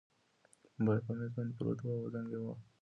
موبایل په مېز باندې پروت و او زنګ یې واهه.